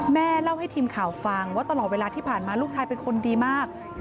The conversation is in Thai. แม่เล่าให้ทีมข่าวฟังว่าตลอดเวลาที่ผ่านมาลูกชายเป็นคนดีมาก